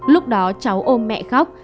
lúc đó cháu ôm mẹ khóc